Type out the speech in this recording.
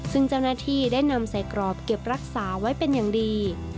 ซึ่งเจ้าหน้าที่ได้นำใส่กรอบเก็บรักษาไว้เป็นอย่างดี